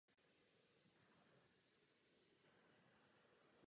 Ústí do Jaderského moře.